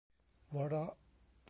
หัวเราะ